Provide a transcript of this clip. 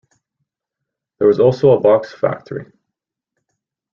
There was also a box factory.